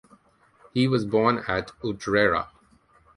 He was born at Utrera.